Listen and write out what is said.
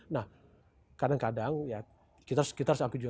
nah kadang kadang ya kita harus aku juga